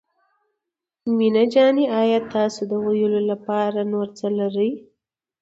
مينه جانې آيا تاسو د ويلو لپاره نور څه لرئ.